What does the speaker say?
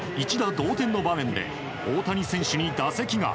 同点の場面で大谷選手に打席が。